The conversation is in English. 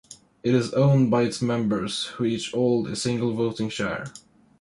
It is owned by its members, who each hold a single voting share.